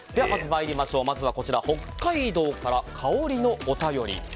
まずは、北海道から香りのお便り。